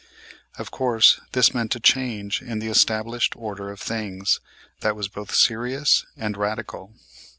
Of course this meant a change in the established order of things that was both serious and radical.